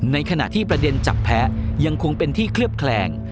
ในขณะที่ประเด็นจับแพ้ยังคงเป็นที่เคลือบแคลง